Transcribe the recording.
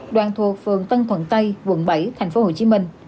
đoạn thuộc phường tân thuận tây quận bảy tp hcm